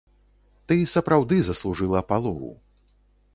Ты сапраўды заслужыла палову.